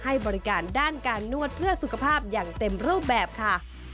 ให้บริการด้านการนวดเพื่อสุขภาพอย่างเต็มรูปแบบค่ะ